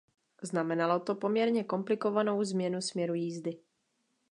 Znamenalo to poměrně komplikovanou změnu směru jízdy.